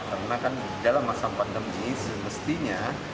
karena kan dalam masa pandemi semestinya